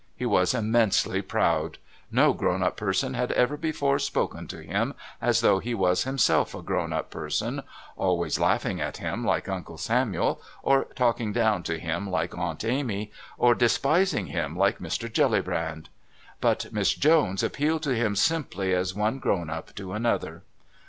He was immensely proud. No grown up person had ever before spoken to him as though he was himself a grown up person always laughing at him like Uncle Samuel, or talking down to him like Aunt Amy, or despising him like Mr. Jellybrand. But Miss Jones appealed to him simply as one grown up to another.